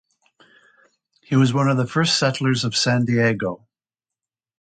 He was one of the first settlers of San Diego.